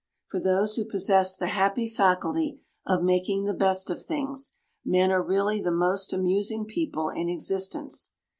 For those who possess the happy faculty of "making the best of things," men are really the most amusing people in existence.